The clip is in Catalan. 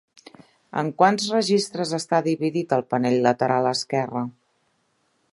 En quants registres està dividit el panell lateral esquerre?